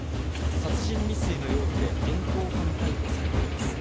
殺人未遂の容疑で現行犯逮捕されています。